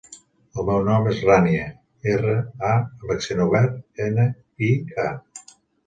El meu nom és Rània: erra, a amb accent obert, ena, i, a.